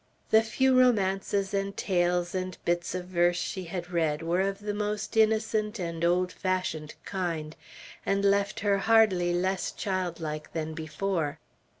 The few romances and tales and bits of verse she had read were of the most innocent and old fashioned kind, and left her hardly less childlike than before.